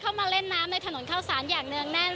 มาเล่นน้ำในถนนเข้าสารอย่างเนื่องแน่น